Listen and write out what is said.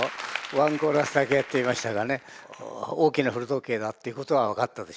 ワンコーラスだけやってみましたがね「大きな古時計」だっていうことは分かったでしょ？